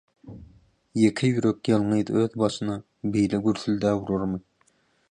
Ýeke ýürek ýalňyz özi özbaşyna beýle gürsüldäp urarmy?